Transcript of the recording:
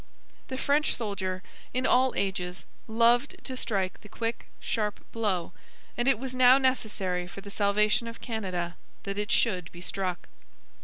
The French soldier, in all ages, loved to strike the quick, sharp blow, and it was now necessary for the salvation of Canada that it should be struck.